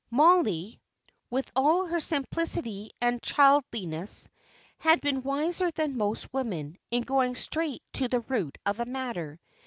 Mollie, with all her simplicity and childliness, had been wiser than most women, in going straight to the root of the matter.